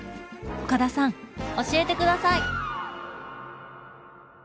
岡田さん教えて下さい！